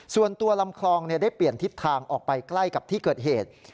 ลำคลองได้เปลี่ยนทิศทางออกไปใกล้กับที่เกิดเหตุ